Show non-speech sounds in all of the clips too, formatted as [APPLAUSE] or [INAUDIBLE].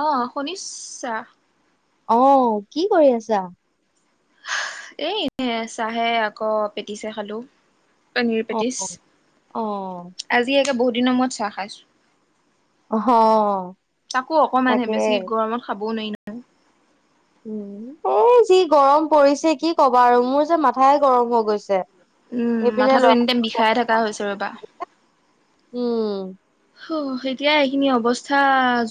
অ শুনিছা? অ, কি কৰি আছা? এই এনে চাহে আকৌ পেটিছে খালো। পানিৰ পেটিছ, অ', অ আজি একে বহুত দিনৰ মূৰত চাহ খাইছো। অহ, তাকো তাকে অকমানহে, বেছি গৰমত খাবও নোৱাৰি ন উম, এই যি গৰম পৰিছে কি কবা আৰু মোৰ যে মাথাই গৰম হৈ গৈছে। উম, এইপিনে মাথাটো ল'ৰা এনি টাইম বিষাই থকা হৈছে ৰ'বা। উম। হু, এতিয়াই এইখিনি অৱস্থা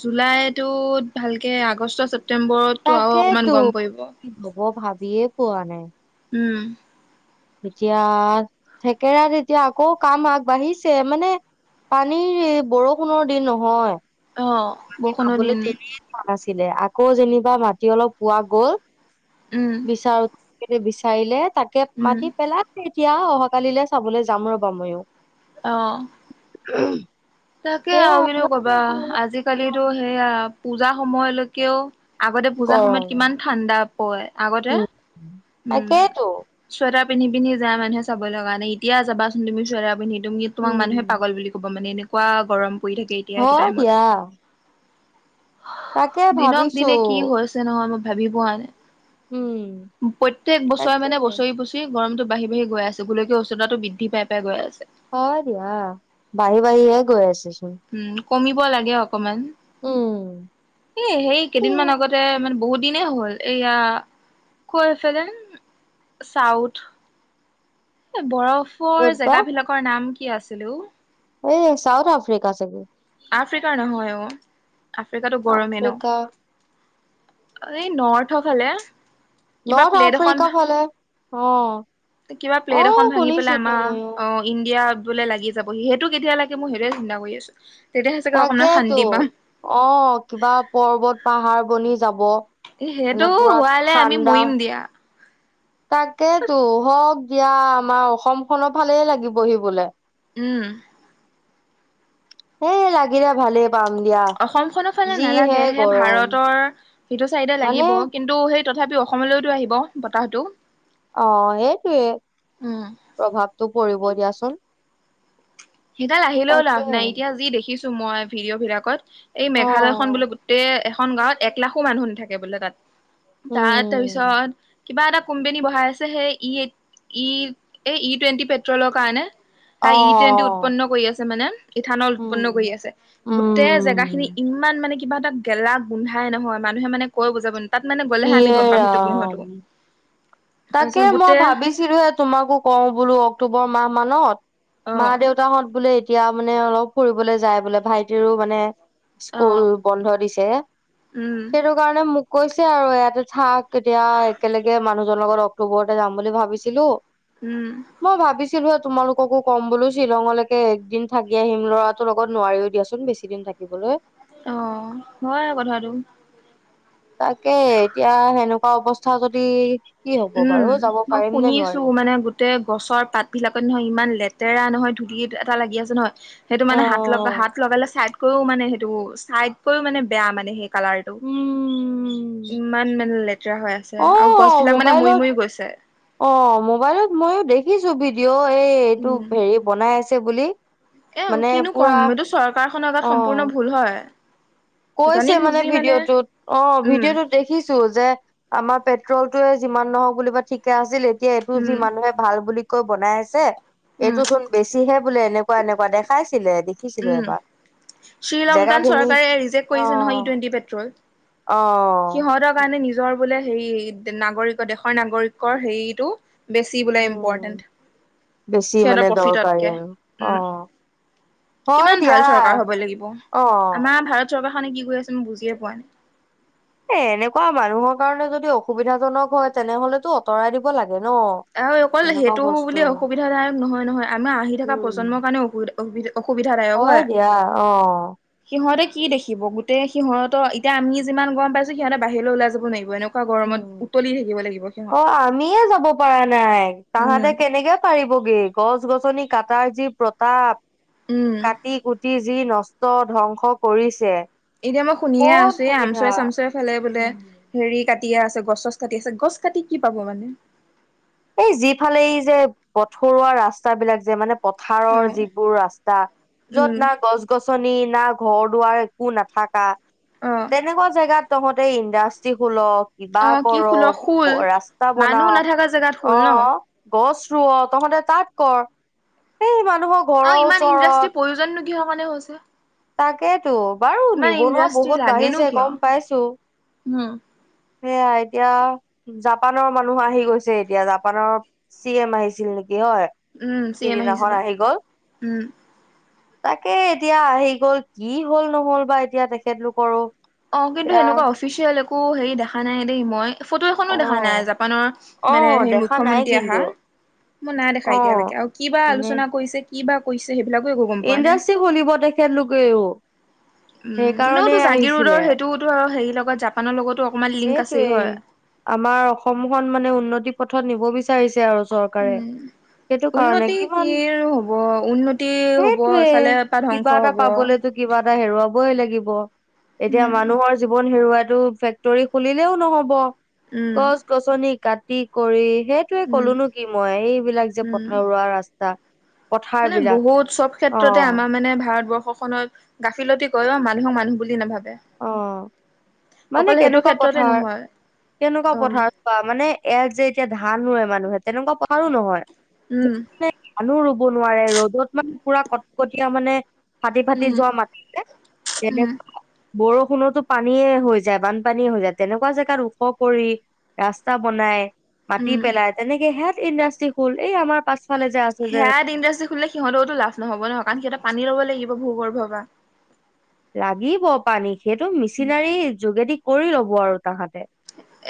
জুলাইটোত ভালকে আগষ্ট, ছেপ্তেম্বৰত তাকেতো, কি হ'ব ভাবিয়ে পোৱা নাই? উম। এতিয়া থেকেৰাত এতিয়া আকৌ কাম আগবাঢ়িছে মানে পানীৰ এই বৰষুণৰ দিন নহয়। অ। তাতে বৰষুণৰ খাবলৈ দিন তেনেই পোৱা নাছিলে আকৌ যেনিবা মাটি অলপ পোৱা গ'ল। উম। বিচাৰো [UNINTELLIGIBLE] বিচাৰিলে তাকে উম মাটি পেলা এতিয়া অহাকালিলে চাবলৈ যাম ৰ'বা ময়ো। অ [INAUDIBLE] তাকে আৰু সেয়াই কিনো কবা আজিকালিটো সেয়া পূজা সময়লৈকেও আগতে পূজাৰ সময়ত গৰম কিমান ঠাণ্ডা পৰে আগতে। উম। উম তাকেইতো চৱেটাৰ পিন্ধি পিন্ধি যায় মানুহে চাব লগ কাৰণে এতিয়া যাবাচোন তুমি চৱেটাৰ পিন্ধি তুমি তোমাক মানুহে উম পাগল বুলি ক'ব মানে এনেকুৱা গৰম পৰি থাকে। এতিয়া এইটো হয় টাইমত দিয়া। তাকে দিনক ভাবিছো। দিনে কি হৈছে নহয় মই ভাবি পোৱা নাই। উম। প্ৰত্যেক বছৰে তাকে মানে বছৰি বছৰি গৰমটো বাঢ়ি বাঢ়ি গৈ আছে গোলকীয় উষ্ণতাটো বৃদ্ধি পাই পাই গৈ আছে। হয় দিয়া বাঢ়ি বাঢ়ি হে গৈ আছেচোন। উম কমিব লাগে অ অকমান উম। এ সেই ই কেইদিনমান আগতে মানে বহুত দিনে হ'ল। এয়া কৈচেদেন চাউথ। এ বৰফৰ ক'ত জেগা বিলাকৰ নাম কি আছিলে অ? এই চাউথ আফ্ৰিকা চাগে। আফ্ৰিকা নহয় অ আফ্ৰিকাতো গৰমে ন। আফ্ৰিকা এই নৰ্থৰ ফালে। কিবা নৰ্থ প্লেট এখন আফ্ৰিকা ফালে অ। কিবা অ প্লেট এখন ভাঙি পেলাই শুনিছিলো আমা ময়ো। অ ইণ্ডিয়া বোলে লাগি যাব সি, সেইটো কেতিয়া লাগে মই সেইটোয়ে চিন্তা কৰি আছোঁ। তাকেইতো অ কিবা পৰ্বত পাহাৰ বনি যাব। এ সেইটো মানে পুৰা হোৱালে আমি ঠাণ্ডা। মৰিম দিয়া তাকেতো হওক দিয়া আমাৰ অসম খনৰ ফালেই লাগিবহি বোলে। উম। সেই লাগিলে ভালেই পাম দিয়া। অসম খনৰ ফালে যিহে নালাগে সে গৰম ভাৰতৰ সিটো চাইডে মানে লাগিব। কিন্তু সেই তথাপি অসমলৈওতো আহিব বতাহটো। অ সেইটোৱে উম প্ৰভাৱটো পৰিব দিয়াচোন। সেইডাল আহিলেও তাকে লাভ নাই, এতিয়া যি দেখিছোঁ মই ভিডিঅ বিলাকত এই অ মেঘালয়খন বোলো গোটেই এখন গাঁৱত এক লাখো মানুহ নাথাকে বোলে তাত, তাত উম তাৰপিছত কিবা এটা কোম্পেনি বহাই আছে সেই ই এইট ই এ ই টুৱেণ্টি পেট্ৰলৰ কাৰণে। অ হা ই টুৱেণ্টি উৎপন্ন কৰি আছে মানে, ইথানল উম উৎপন্ন কৰি আছে। গোটেই জেগাখিনি উম ইমান মানে কিবা এটা গেলা গোন্ধাই নহয় মানুহে মানে কৈ বুজাব তাত মানে গ'লেহে আমি ইয়ে গম পাম সেইটো ৰাম গোন্ধটো। তাকে তাৰপিছত মই গোটেই ভাবিছিলোঁ হে তোমাকো কওঁ বোলো অক্টোবৰ মাহ মানত অ মা দেউ তহত বোলে এতিয়া মানে অলপ ফুৰিবলৈ যায় বোলে, ভাইটিৰো মানে অ স্কুল বন্ধ দিছে উম সেইটো কাৰণে মোক কৈছে আৰু ইয়াতে থাক। তেতিয়া একেলগে মানুহজনৰ লগত অক্টোবৰতে যাম বুলি ভাবিছিলোঁ। উম। মই ভাবিছিলো এ তোমালোককো ক'ম বোলো শ্বিলঙলৈকে একদিন থাকি আহিম, ল'ৰাটোৰ লগত নোৱাৰিও দিয়াচোন বেছি কিদিন থাকিবলৈ। অ হয় কথাটো। তাকে এতিয়া সেনেকোৱা অৱস্থা যদি। কি হব বাৰু উম যাব মই পাৰিম নে শুনিছো নোৱাৰিম মানে গোট টে গছৰ পাত বিলাকত নহয় ইমান লেতেৰা নহয়, ধূলি এএটা লাগি আছে নহয়। সেইটো অ মানে হাত লগা, হাত লগালে চাইডকও মানে সেইটো চাইডকৈও মানে বেয়া মানে সেই কালাৰটো উম ইমান মানে লেতেৰা হৈ আছে অ আও গছ বিলাক মানে মৰি মোবাইলত মৰি গৈছে অ' মোবাইলত মইও দেখিছো ভিডিঅ' এই এইটো উম হেৰি বনাই আছে বুলি। এ আও মানে কিনো পুৰা ক'ম এইটো চৰকাৰখনৰ অ গাত সম্পূৰ্ণ ভুল হয়। জানি কৈছে মানে বুজি ভিডিঅ'টোত অঁ উম ভিডিঅ'টোত দেখিছো, যে আমাৰ পেট্ৰল টোয়ে যিমান নহওঁক বুলিবা ঠিকে আছিল, এতিয়া এইটো যি উম মানুহে ভাল বুলি কৈ বনাই আছে, উম এইটো চোন বেছিহে বোলে এনেকোৱা এনেকোৱা দেখাইছিলে দেখিছিলো উম এবাৰ জেগা শ্ৰীলংকান খিনি চৰকাৰে ৰিজেক্ট কৰিছে নহয়, ই টুৱেণ্টি পেট্ৰল। অঁ সিহঁতৰ কাৰণে নিজৰ বোলে হেৰি নাগৰিকৰ দেশৰ নাগৰিকৰ হেইটো বেছি বোলে উম ইম্পৰটেণ্ট, বেছি মানে সিহঁতৰ দৰকাৰী প্ৰফিটতকে। আৰু অ ওম। হয় কিমান দিয়া ভাল চৰকাৰ হ'ব লাগিব, অ আমাৰ ভাৰত চৰকাৰখনে কি কৰি আছে মই বুজিয়ে পোৱা নাই। এ এনেকোৱা মানুহৰ কাৰণে যদি অসুবিধাজনক হয় তেনেহ'লেতো অতৰাই দিব লাগে ন। আৰু অকল এনেকুৱা সেইটো বস্তু বুলি অসুবিধা দায়ক নহয় নহয়। আমাৰ আহি থকা প্ৰজন্মৰ কাৰণে অসুবিধা অসুবিধা অসুবিধা দায়ক হয়। দিয়া অ। সিহঁতে কি দেখিব গোটেই সিহঁতৰ এতিয়া আমি যিমান গ'ম পাইছো, সিহঁতে বাহিৰলে ওলাই যাব নোৱাৰিব এনক কা গৰমত উতলি থাকিব লাগিব অ সিহঁত। আমিয়ে যাব প পাৰা নাই, তাহাঁতে উম কেনেকে পাৰিবগে গছ - গছনি কাটাৰ যি প্ৰতাপ। উম কাটি-কুটি যি নষ্ট, ধ্বংস কৰিছে। এতিয়া মই শুনিয়ে ক'ত আছো, এই সুবিধা আমচৈ-চামচৈ ফালে বোলে উম হেৰি কাটিয়ে আছে গছ-ছছ কাটি আছে গছ কাটি কি পাব মানে? সেই যিফালে এই যে পথৰুৱা ৰাস্তাবিলাক যে মানে অ পথাৰৰ যিবোৰ ৰাস্তা, উম য'ত না গছ গ গছনি না ঘৰ - দুৱাৰ একো নাথাকা। অঁ। এনেকুৱা জেগাত তহঁতে ইণ্ডাষ্ট্ৰী খোল, কিবা অ কৰ, ৰাস্তা বনাওঁ নকা জেগাত খোল ন। গছ ৰুৱ তহতে তাঁত কৰ, সেই মানুহক আও ইমান ইণ্ডাষ্ট্ৰীৰ প্ৰয়োজন নো কিহৰ কাৰণে হৈছে? তাকেতো বাৰু ইমান নিবনুৱা ইণ্ডাষ্ট্ৰি বহুত বাঢ়িছে গ'ম পাইছো। হুম। সেইয়া এতিয়া জাপানৰ মানুহ আহি গৈছে এতিয়া, জাপানৰ চি এম আহিছিল নেকি হয়? উম চি এম সিদিনাখন আহিছিলে আহি গ'ল। উম তাকে এতিয়া আহি গ'ল কি হ'ল নহ'ল বা এতিয়া তেখেতলোকৰো? অঁ কিন্তু এতিয়া সেনেকোৱা অফিচিয়েল একো হেৰি দেখা নাই দেই মই। ফটো এখনো অ দেখা নাই, জাপানৰ অ মানে সেই দেখা নাই মুখ্যমন্ত্ৰী কিন্তু আহা। মোৰ নাই দেখা অ এতিয়ালেকে আও কি বা মানে আলোচনা কৰিছে, কি বা কৰিছে সেইবিলাকো একো গ'ম পোৱা নাই। শুনিব তেখেত লোকেওঁ উম, এনেওটো জাগিৰোদৰ সেইটোওতো আও হেৰি লগত জাপানৰ লগতো অকণমান লি সেইটোয়েই আমাৰ অসমখন মানে উন্নতি পথত নিব বিচ বিচাৰিছে আৰু চৰকাৰে। উম, সেইটো কাৰণে উন্নতি কি কিমান আৰু হ'ব উন্নতি হ'ব এফালে সেইটোৱে পৰা ধ্বংস কিবা এটা হ'ব। পাবলে তো কিবা এটা হেৰুৱাবই লাগিব। এতিয়া উম, মানুহৰ জীৱন হেৰুৱাই তো ফেক তৰি খুলিলেও নহ'ব। উম, গছ-গছনি কাটি কৰি শেষ সেইটোয়ে কলো উম, নো কি মই এইবিলাক যে উম, পথৰুৱা ৰাস্তা। পথাৰ মানে বিলাক বহুত চব অ ক্ষেত্ৰতে আমাৰ মানে ভাৰতবৰ্ষ খনত। গাফিলতি কয় অ মানুহক মানুহ বুলি নাভাবে। অ মানে অকল সেইটো কেনেকুৱা ক্ষেত্ৰতে পথাৰ নহয় কেনেকুৱা উম, পথাৰ। বা মানে ইয়াত যে এতিয়া ধান ৰুৱে মানুহে তেনেকুৱা পথাৰও নহয়। উম। মানে ধানো ৰুব নোৱাৰে ৰ'দত মানে পোৰা কটকটীয়া মানে। ফাটি ফাটি উম, যোৱা মাটিনে তেনে উম, বৰষুণতো পানীয়ে হৈ যায় বানপানীয়ে হৈ যায় তেনেকুৱা জেগাত ওখ কৰি ৰাস্তা বনাই মাটি, উম, পেলাই তেনেকে সেয়াত ইণ্ডাষ্ট্ৰি খোল এই আমাৰ পাছ সেয়াত ইণ্ডাষ্ট্ৰি খুলিলে সিহঁতও টো লাভ নহ'ব ন কাৰণ সিহঁতে পানী লব লাগিব ভূ-গৰ্ভৰ পৰা। লাগিব পানী সেইটো উম, মিচিনাৰী যোগেদি কৰি লব আৰু তাহাঁতে।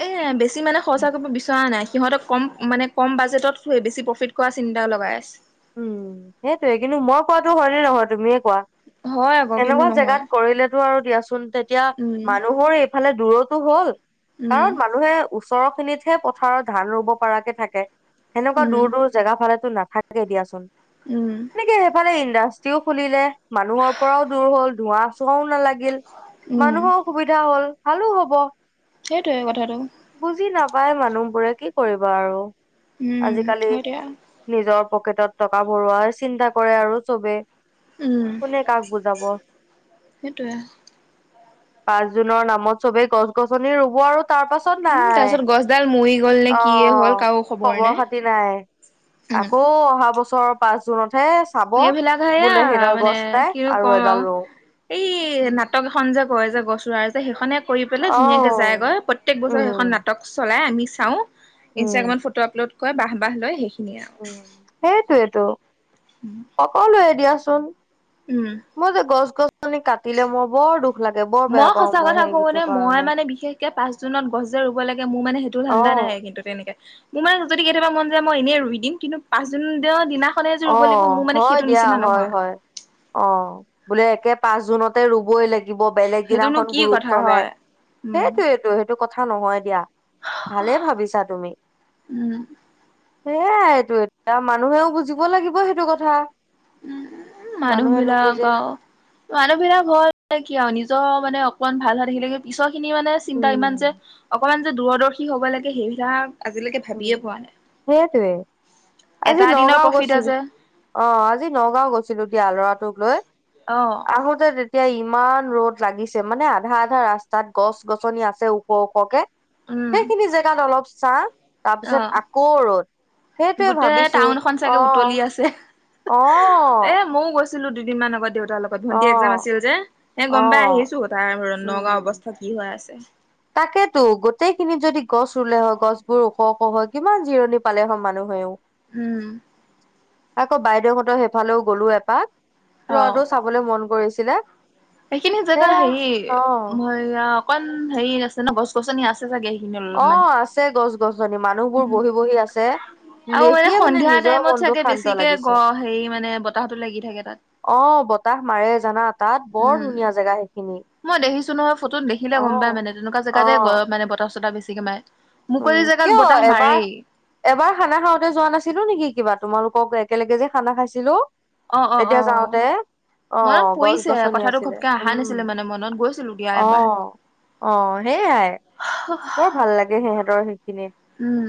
এই বেছি মানে খৰচা কৰিব বিচৰা নাই সিহঁতক কম মানে কম বাজেটত বেছি প্ৰফিট কোৱা চিন্তাও লগাই আছে। উম। সেইটোয়ে কিন্তু মই কোৱাটো হয়নে নহয় তুমিয়ে কোৱা? হয় আকৌ কিন্তু এনেকুৱা জেগাত নহয় কৰিলে টো আৰু দিয়াচোন তেতিয়া উম মানুহৰ এইফালে দূৰতো হ'ল উম কাৰণ মানুহে ওচৰ খিনিতহে পথাৰত ধান ৰুব পৰাকে থাকে সেনেকুৱা উম দূৰ দূৰ জেগা ফালেটো নাথাকে তাকে দিয়াচোন। উম। এনেকে সেইফালে ইণ্ডাষ্ট্ৰিও খুলিলে মানুহৰ পৰাও দূৰ হল ধোঁৱা-চোৱাও নালাগিল। উম মানুহৰ সুবিধা হ'ল ভালো হ'ব। সেইটোৱে কথাটো। বুজি নাপায় মানুহবোৰে কি কৰিবা আৰু উম আজিকালি। হয় দিয়া নিজৰ পকেটত টকা ভৰোৱাৰ চিন্তা কৰে আৰু চবে। উম কোনে কাক বুজাব। সেইটোৱে পাঁচ জুনৰ নামত চবেই গছ-গছনি ৰুব আৰু তাৰ পাছত ক'ত উম তাৰ নাই পিছত গছডাল মৰি গ'ল নে অ কিয়ে হ'ল কাৰো খবৰ খবৰ-খাতি নাই। উম আকৌ অহা বছৰ পাঁচ জুনতহে। চাব সেইবিলাক সেয়া বোলে সেইডাল মানে গছ নাই কিনো আৰু ক'ম এডাল ৰুও। এই নাটক এখন যে কয় যে গছ ৰুৱা যে সেইখনে কৰি পেলাই অ ধুনীয়াকৈ যায়গৈ। প্ৰত্যেক বছৰে সেইখন উম নাটক চলাই আমি চাওঁ। উম ইনষ্টাগ্ৰামত ফটো আপলোড কৰে বাহ বাহ লয় সেইখিনিয়ে আৰু। সেইটোৱে তো। [UNINTELLIGIBLE] সকলোৱে দিয়াচোন। উম। মই যে গছ-গছনি কাটিলে মই বৰ দুখ লাগে বৰ বেয়া মই পাওঁ সঁচা কথা সেইটো কওঁনে মই কাৰণে মানে বিশেষকে পাঁচ জুনত গছ যে ৰুব লাগে মোৰ মানে সেইটো অ ধান্দা নাই কিন্তু। তেনেকে মোৰ মানে যদি কেতিয়াবা মন যায় মই এনেই ৰুই দিম। কিন্তু পাঁচ জুন দিনা অ হয় দিয়া হয় হয়। অঁ', বোলে একে পাঁচ জুনতে ৰুবই লাগে। দিব বেলেগ সেইটোনো দিনাখন কি গুৰুত্ব কথা নাই, হয় উম সেইটোৱেতো। সেই - টো কথা নহয় দিয়া ভালে ভাবিছা তুমি। উম সেয়াই এইটো এতিয়া মানুহেও বুজিব লাগিব সেইটো কথা। উমঁ, মানুহে মানুহবিলাক নুবুজে আৰু- মানুহবিলাক হয় কিয় নিজৰ মানে অকণমান ভাল হোৱা দেখিলে - পিছৰ খিনি মানে চিন্তা ইমান যে উম অকমান যে দূৰদৰ্শী হ'ব লাগে সেইবিলাক- আজিলৈকে ভাবিয়ে উম পোৱা নাই। সেইটোৱে এটা দিনৰ প্ৰফিট আছে। অঁ', আজি নগাঁও গৈছিলো দিয়া ল'ৰাটোক লৈ। অঁহ। আহোতে তেতিয়া ইমান ৰ'দ লাগিছে মানে আধা-আধা ৰাস্তাত গছ-গছনি আছে ওখ-ওখকে- উম সেইখিনি জেগাত অলপ চাঁ তাৰপিছত অ'। আকৌ ৰ'দ। সেইটোয়ে গোটেই ভাবিছো, টাউনখন চাগে অঁ', উতলি আছে। -অঁহ। এ' মইও গৈছিলো দুদিনমান আগত দেউতাৰ লগত। ত' অ ভন্টি এক্জাম আছিল যে, সেই অ গম পাই আহিছো তাৰ নগাঁও উম অৱস্থা কি হয় আছে। তাকেতো, গোটেইখিনিত যদি গছ ৰুলে হয় গছবোৰ ওখ-ওখ হয় কিমান জিৰণি পালে হয় মানুহেও। উমঁ। আকৌ বাইদেউহঁতৰ সেইফালেও গ'লো এপাক, অ'। ল'ৰাটো চাব- মন কৰিছিলে। সেইখিনি জেগা সেয়া হেৰি অ এয়া অকণমান হেৰি আছে ন' গছ- গছনি আছে চাগে সেইখিনি অ অলপমান। আছে গছ-গছনি মানুহবোৰ উম বহি-বহি আছে। আৰু মানে দেখিয়ে সন্ধিয়া নিজৰ টাইমত মনটো চাগে শান্ত বেছিকে লাগিছে গ হেৰি মানে বতাহতো লাগি থাকে তা'ত। অঁ', বতাহ মাৰে জানা তা'ত, বৰ উম ধুনীয়া জেগা সেইখিনি। মই দেখিছো নহয় ফটোত দেখিলে অ গম পাই মানে তেনেকুৱা অ জেগাতে গ মানে বতাহ-চতাহ বেছিকে মাৰে। মুকলিৰ জেগাত বতাহ অ' এবাৰ মাৰেই এবাৰ খানা খাওঁতে যোৱা নাছিলো নেকি কিবা তোমালোকক একেলগে যে খানা খাইছিলো। অঁহ', -অঁহ', তেতিয়া -অঁহ', -। যাওঁতে অ মনত গছ পৰিছে গছনি কথাটো আছিলে ঘপকে অহা উম নাছিলে মানে মনত গৈছিলো দিয়া এবাৰ। অঁ', সেইয়াই। হা। বৰ ভাল লাগে সিহঁতৰ সেইখিনিত। উমঁ।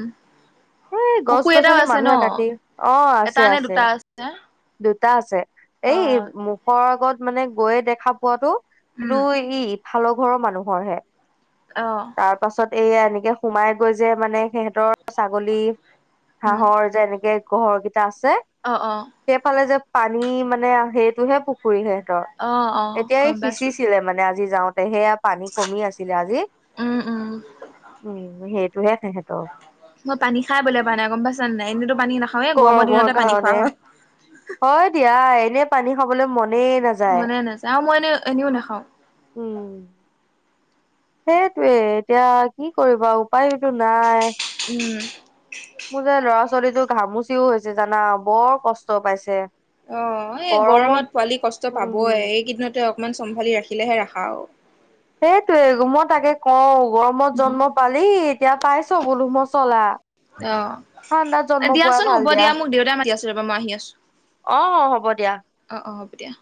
এই গছ-গছনি মানুহে কাটি, অঁ', এটা নে -আছে-আছে। দুটা আছে দেউতা আছে। অ এই মু- খৰ আগত মানে গৈয়ে দেখা পোৱাটো উম এইটো ইফালৰ ঘৰৰ মানুহৰ হে। অঁহ। তাৰ পাছত এইয়া এনেকে সোমাই গৈ যে মানে সিহঁতৰ ছাগলী- উম হাঁহৰ যে এনেকে ঘৰকেইটা আছে। অঁহ', -অঁহ',। সেইফালে যে পানী মানে সেইটোহে পুখুৰী হয়। অ', অ', এতিয়াই গম পাইছোঁ। সিঁচিছিলে মানে, আজি যাওঁতে সেয়া পানী কমি আছিলে আজি। উমঁ-উমঁ। উম' সেইটোহে সিহঁতৰ। মই পানী খাই বলে পৰা নাই গম পাইছা নাই এনেতো পানী নাখাৱে গৰম গৰমৰ দিনতে পানী খোৱা কাৰণে হয়। হয় দিয়া এনে পানী খাবলে মনে নায মনে নাযা আও মই এনে এনেও নাখাওঁ। উম। সেইটোৱে এতিয়া কি কৰিবা উপায়োটো নাই। উম। মোৰ যে ল'ৰা ছোৱালীটো ঘামুচিও হৈছে জানা বৰ কষ্ট পাইছে। অ', এ, গৰমত পোৱালি কষ্ট পাবই উম, এই কিদিনতে অকমান চম্ভালি ৰাখিলেহে ৰাখা আৰু। সেইটোৱে মই তাকে কওঁ গৰমত উম, জন্ম পালি এতিয়া পাইছ গোলু মচলা অ', ঠাণ্ডাত এ, জন্ম পোৱাই দিয়াচোন ভাল হ'ব দিয়া মোক দেউতাই মাতি আছে ৰ'বা মই আহি আছোঁ। অ', অ', হ'ব দিয়া। অ', অ', হ'ব দিয়া।